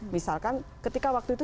misalkan ketika waktu itu